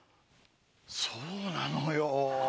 そうなのよ。